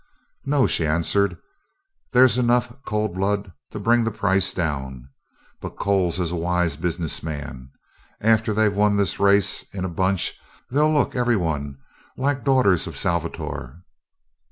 "No," she answered, "there's enough cold blood to bring the price down. But Coles is a wise business man. After they've won this race in a bunch they'll look, every one, like daughters of Salvator.